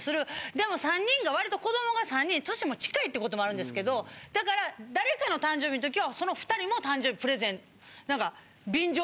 でも３人が割と子どもが３人歳も近いってこともあるんですけどだから誰かの誕生日の時はその２人も誕生日プレゼント。